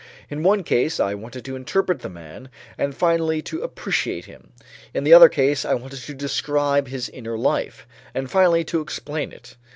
In one case I wanted to interpret the man, and finally to appreciate him; in the other case I wanted to describe his inner life, and finally to explain it.